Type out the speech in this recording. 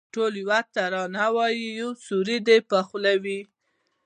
ټول یوه ترانه وایی یو سرود به یې په خوله وي